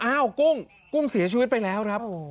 กุ้งกุ้งเสียชีวิตไปแล้วครับ